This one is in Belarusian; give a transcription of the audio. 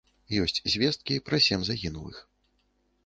Ёсць звесткі пра сем загінулых.